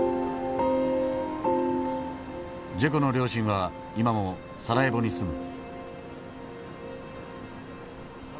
ジェコの両親は今もサラエボに住む。